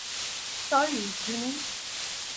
Sorry, Juni.